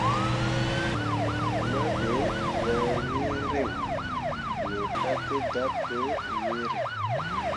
Mahɓe biaŋ wee reŋ mi pate dapii weere.